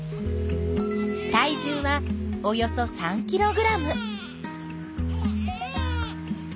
体重はおよそ３ｋｇ。